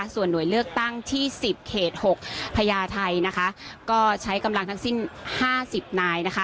ส่วนหน่วยเลือกตั้งที่๑๐เขต๖พญาไทยนะคะก็ใช้กำลังทั้งสิ้น๕๐นายนะคะ